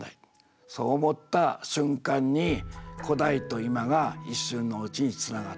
そう思った瞬間に古代と今が一瞬のうちにつながった。